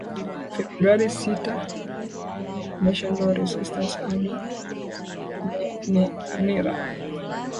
februari sita national resistance army nra